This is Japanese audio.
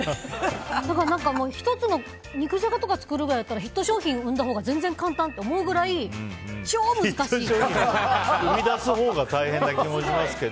だから、１つの肉じゃがとか作るくらいならヒット商品生んだほうが全然簡単って思うくらいヒット商品を生み出すほうが大変な気がしますけど。